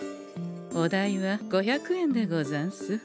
お代は５００円でござんす。